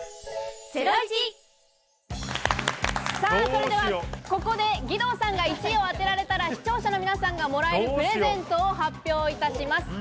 それではここで義堂さんが１位を当てられたら視聴者の皆さんが、もらえるプレゼントを発表いたします。